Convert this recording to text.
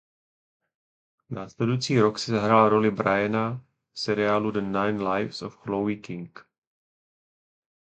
Následující rok si zahrál roli Briana v seriálu "The Nine Lives of Chloe King".